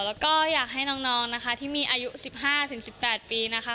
แล้วก็อยากให้น้องนะคะที่มีอายุ๑๕๑๘ปีนะคะ